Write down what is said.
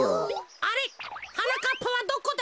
あれっはなかっぱはどこだ？